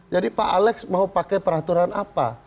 jadi pak alex mau pakai peraturan apa